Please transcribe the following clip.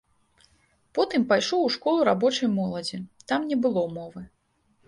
Потым пайшоў у школу рабочай моладзі, там не было мовы.